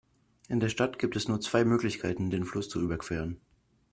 In der Stadt gibt es nur zwei Möglichkeiten, den Fluss zu überqueren.